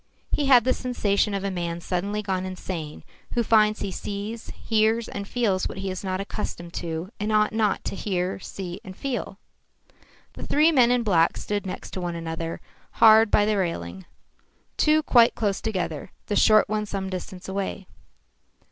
He had the sensation of a man suddenly gone insane, who finds he sees, hears and feels what he is not accustomed to, and ought not hear, see and feel. The three men in black stood next to one another hard by the railing, two quite close together, the short one some distance away.